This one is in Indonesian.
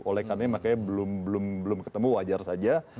oleh karena makanya belum ketemu wajar saja